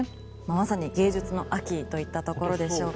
まさに芸術の秋といったところでしょうか。